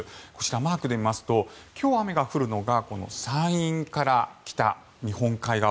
マークで見ますと今日雨が降るのがこの山陰から北日本海側。